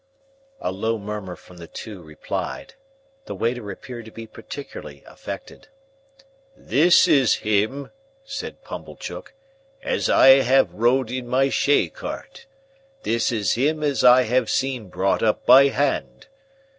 A low murmur from the two replied. The waiter appeared to be particularly affected. "This is him," said Pumblechook, "as I have rode in my shay cart. This is him as I have seen brought up by hand.